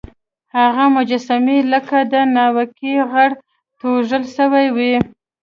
هغه مجسمې لکه د ناوکۍ غر توږل سوی وې.